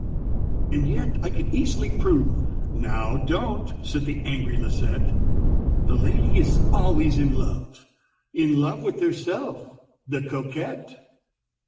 "And yet I could easily prove" ("Now don't!" said the angry Lisette), "The lady is always in love, In love with herself, the Coquette!